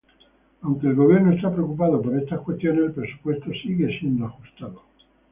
Aunque el gobierno está preocupado por estas cuestiones, el presupuesto sigue siendo ajustado.